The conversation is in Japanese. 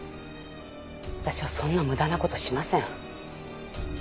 私はそんな無駄な事しません。